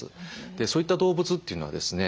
そういった動物というのはですね